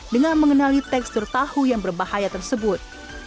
dengan mengenali tekstur tahu yang berbahaya tersebut